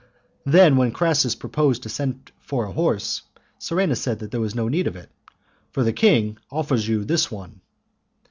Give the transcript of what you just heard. Then when Crassus proposed to send for a horse, Surena said there was no need of it, " for the king offers you this one."